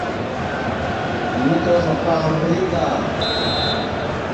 ہوں تو سپا آمبھری گا